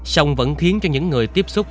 xong vẫn khiến cho những người tiếp xúc